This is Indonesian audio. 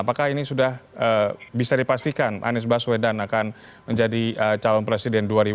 apakah ini sudah bisa dipastikan anies baswedan akan menjadi calon presiden dua ribu dua puluh